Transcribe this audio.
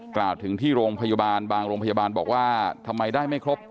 กล่าวถึงที่โรงพยาบาลบางโรงพยาบาลบอกว่าทำไมได้ไม่ครบ